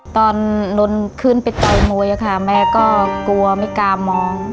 ตอนลนขึ้นไปต่อยมวยค่ะแม่ก็กลัวไม่กล้ามอง